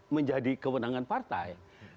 menjadi kewenangan partai